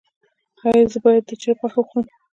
ایا زه باید د چرګ غوښه وخورم؟